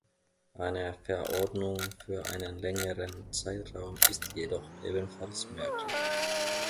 Eine Verordnung für einen längeren Zeitraum ist jedoch ebenfalls möglich.